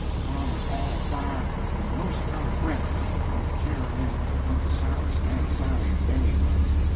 Tom was all afire and 'most out of breath when we come tearing in where Uncle Silas and Aunt Sally and Benny was.